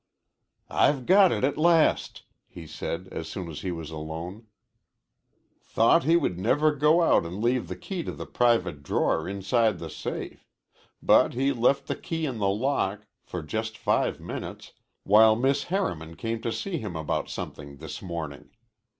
"I've got it at last," he said as soon as he was alone. "Thought he never would go out and leave the key to the private drawer inside the safe. But he left the key in the lock for just five minutes while Miss Harriman came to see him about something this morning.